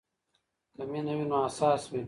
که مینه وي نو اساس وي.